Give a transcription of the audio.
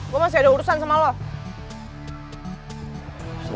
gue masih ada urusan sama lo